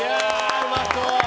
うまそう！